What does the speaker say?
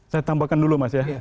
saya tambahkan dulu mas